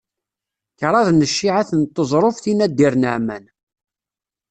Kraḍ n cciεat n teẓruft i Nadir Naɛman.